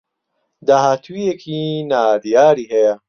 داهاتوویێکی نادیاری هەیە